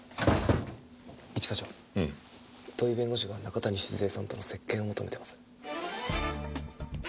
一課長土居弁護士が中谷静江さんとの接見を求めてます。